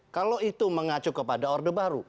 kalau itu mengacu kepada orde baru